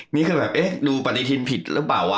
นี่ก็แบบเอ๊ะดูปฏิทินผิดหรือเปล่าวะ